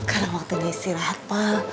sekarang waktunya istirahat pak